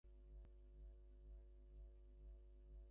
সগুণ ব্যক্তি বাহিরে দৃশ্যমান, প্রকৃত তত্ত্ব অন্তরে।